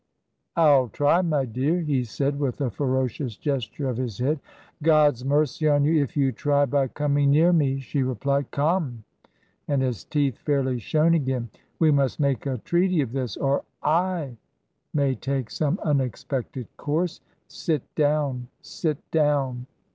'I'll try, my dear,' he said, with a ferocious gesture of his head. 'God's mercy on you, if you try by coming near me I' she replied. ... 'Come!' and his teeth fairly shone again. 'We must make a treaty of this, or I may take some unexpected course. Sit down, sit down!'